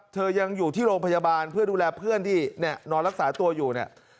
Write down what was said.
ยังอยู่ที่โรงพยาบาลเพื่อดูแลเพื่อนที่เนี่ยนอนรักษาตัวอยู่เนี่ย